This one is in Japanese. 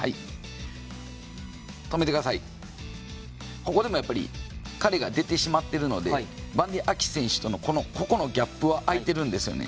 ここでもやっぱり彼が出てしまっているのでバンディー・アキ選手とのギャップは空いてるんですよね。